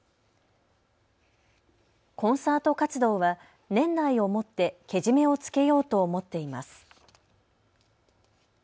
コンサート活動は年内をもってけじめをつけようと思っています。